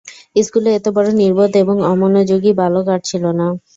স্কুলে এতবড়ো নির্বোধ এবং অমনোযোগী বালক আর ছিল না।